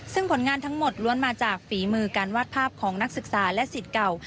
ซึ่งผลงานทั้งหมดล้วนมาจากฝีมือการวาดภาพของนักศึกษาและสิทธิ์เก่า